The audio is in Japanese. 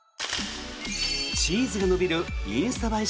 チーズが伸びるインスタ映え